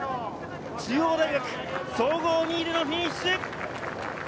中央大学、総合２位でのフィニッシュ。